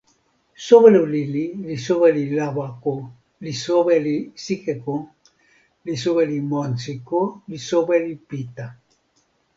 soweli lili li soweli Lawako, li soweli Sikeko, li soweli Monsiko, li soweli Pita.